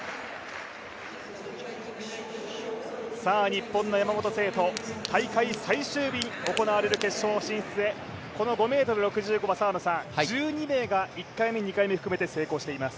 日本の山本聖途、大会最終日に行われる決勝進出へ、この５ｍ６５は１２名が１回目２回目含めて成功しています。